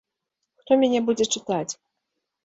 Хто мяне будзе чытаць?